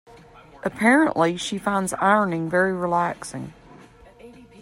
Apparently, she finds ironing very relaxing.